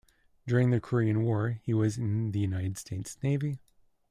During the Korean War, he was in the United States Navy.